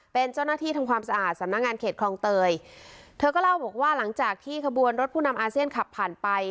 เป็นเจ้าหน้าที่ทำความสะอาดสำนักงานเขตคลองเตยเธอก็เล่าบอกว่าหลังจากที่ขบวนรถผู้นำอาเซียนขับผ่านไป